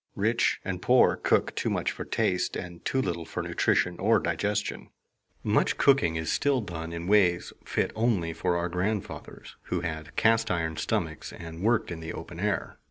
Rich and poor cook too much for taste and too little for nutrition or digestion. Much cooking is still done in ways fit only for our grandfathers who had cast iron stomachs and worked in the open air.